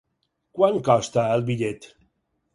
Quant costa el bitllet?